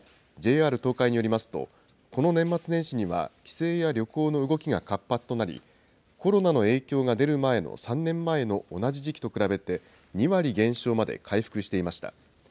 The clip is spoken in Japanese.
ＪＲ東海によりますと、この年末年始には、帰省や旅行の動きが活発となり、コロナの影響が出る前の３年前の同じ時期と比べて、２割減少まで回復していました。